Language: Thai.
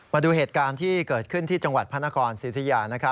มาดูเหตุการณ์ที่เกิดขึ้นที่จังหวัดพระนครสิทธิยา